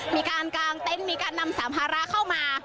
มีการกางเต็นต์มีการนำสามภาระเข้ามา